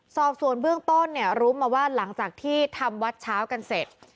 สอบส่วนเบื้องต้นเนี่ยรู้มาว่าหลังจากที่ทำวัดเช้ากันเสร็จ